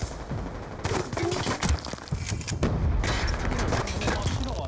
そうですね白は。